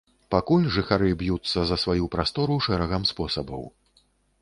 Пакуль жыхары б'юцца за сваю прастору шэрагам спосабаў.